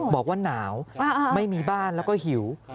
บอกว่าหนาวไม่มีบ้านแล้วก็หิว